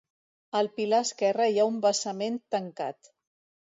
Al pilar esquerre hi ha un vessament tancat.